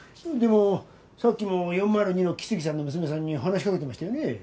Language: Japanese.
でもさっきも４０２の木次さんの娘さんに話しかけてましたよね？